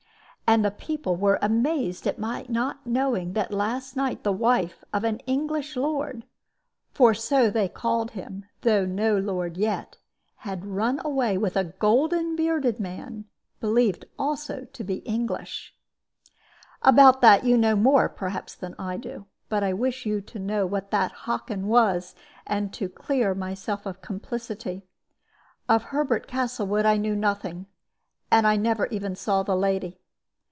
And the people were amazed at my not knowing that last night the wife of an English lord for so they called him, though no lord yet had run away with a golden bearded man, believed to be also English. "About that you know more, perhaps, than I do. But I wish you to know what that Hockin was, and to clear myself of complicity. Of Herbert Castlewood I knew nothing, and I never even saw the lady.